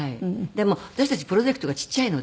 でも私たちプロジェクトがちっちゃいので。